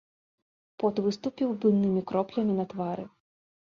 Пот выступіў буйнымі кроплямі на твары.